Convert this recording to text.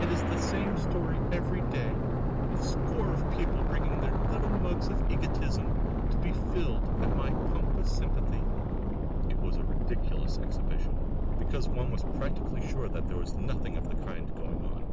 "It is the same story every day a score of people bringing their little mugs of egotism to be filled at my pump of sympathy!" It was a ridiculous exhibition, because one was practically sure that there was nothing of the kind going on.